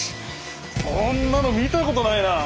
こんなの見たことないなあ。